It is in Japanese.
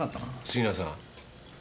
杉浦さん。